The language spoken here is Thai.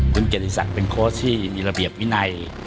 คุณเกียรติศักดิ์เป็นโค้ชที่มีระเบียบวินัย